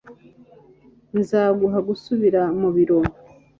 Nzaguha gusubira mu biro.